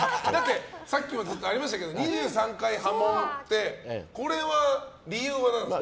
さっきもありましたけど２３回破門ってこれは理由は何ですか？